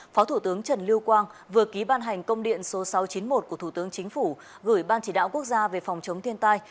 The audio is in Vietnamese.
phó thủ tướng trần lưu quang vừa ký ban hành công điện số sáu trăm chín mươi một của thủ tướng chính phủ gửi ban chỉ đạo quốc gia về phòng chống thiên tai